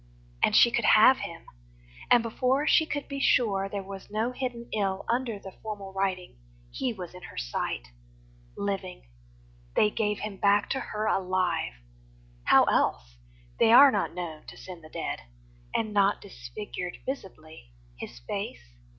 And she could have him. And before She could be sure there was no hidden ill Under the formal writing, he was in her sight, Living. They gave him back to her alive How else? They are not known to send the dead And not disfigured visibly. His face?